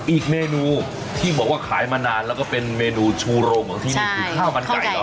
อีกเมนูที่บอกว่าขายมานานแล้วก็เป็นเมนูชูโรงของที่นี่คือข้าวมันไก่เหรอ